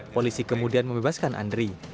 polisi kemudian membebaskan andri